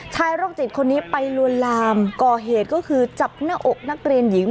โรคจิตคนนี้ไปลวนลามก่อเหตุก็คือจับหน้าอกนักเรียนหญิง